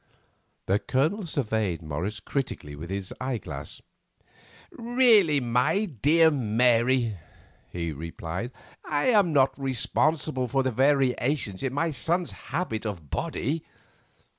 The Colonel surveyed Morris critically with his eyeglass. "Really, my dear Mary," he replied, "I am not responsible for the variations in my son's habit of body."